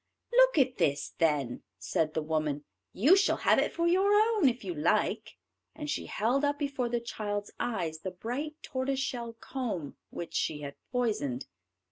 "Look at this, then," said the woman; "you shall have it for your own if you like," and she held up before the child's eyes the bright tortoise shell comb which she had poisoned.